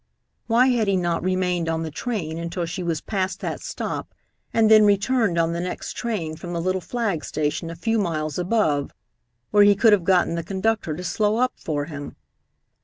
Why had he not remained on the train until she was past that stop, and then returned on the next train from the little flag station a few miles above, where he could have gotten the conductor to slow up for him?